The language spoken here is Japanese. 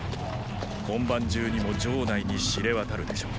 今晩中にも城内に知れ渡るでしょう。